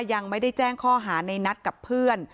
ยังไม่ได้แจ้งข้อหาในนัดกับเพื่อน